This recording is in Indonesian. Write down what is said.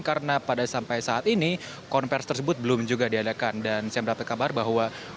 karena pada sampai saat ini konversi tersebut belum juga diadakan dan saya mendapat kabar bahwa